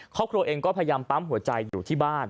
ครอบครัวเองก็พยายามปั๊มหัวใจอยู่ที่บ้าน